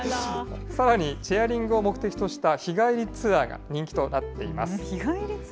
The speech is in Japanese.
さらにチェアリングを目的とした日帰りツアーが人気となっています。